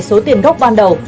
số tiền gốc ban đầu